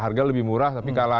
harga lebih murah tapi kalah